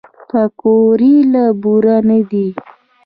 پکورې له بوره نه دي